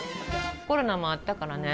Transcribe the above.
コロナもあったからね